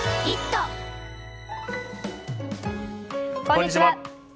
こんにちは。